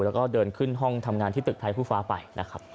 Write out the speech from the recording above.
แล้วก็เดินขึ้นห้องทำงานที่ตึกไทยคู่ฟ้าไปนะครับ